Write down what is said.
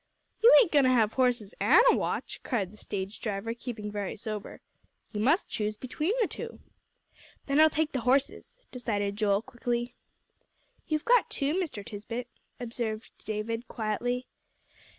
"You ain't goin' to have horses an' a watch!" cried the stage driver, keeping very sober. "You must choose between the two." "Then I'll take the horses," decided Joel, quickly. "You've got two, Mr. Tisbett," observed David, quietly.